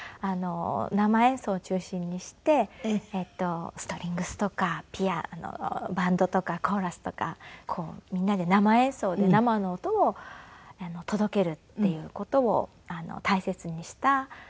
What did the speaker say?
生演奏を中心にしてストリングスとかピアノバンドとかコーラスとかみんなで生演奏で生の音を届けるっていう事を大切にしたライブで。